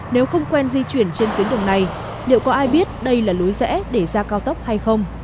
nếu không quen di chuyển trên tuyến đường này liệu có ai biết đây là lối rẽ để ra cao tốc hay không